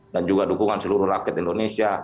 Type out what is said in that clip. dan juga dukungan seluruh rakyat indonesia